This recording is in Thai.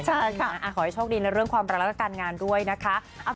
ใช่ค่ะนะขอให้โชคดีและเรื่องความประลักษณ์การงานด้วยนะคะ